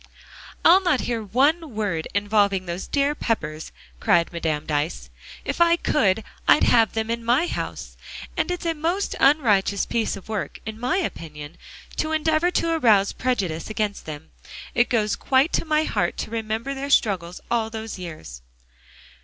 "I'll not hear one word involving those dear Peppers," cried Madame Dyce. "If I could, I'd have them in my house. And it's a most unrighteous piece of work, in my opinion, to endeavor to arouse prejudice against them. It goes quite to my heart to remember their struggles all those years."